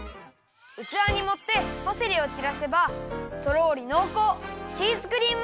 うつわにもってパセリをちらせばとろりのうこう